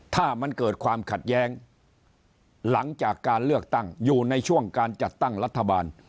ถ้ามันเกิดความขัดแย้งหลังจากการเลือกตั้งอยู่ในช่วงการจัดตั้งรัฐบาล